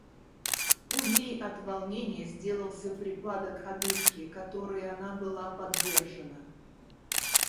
У ней от волнения сделался припадок одышки, которой она была подвержена.